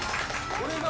これが。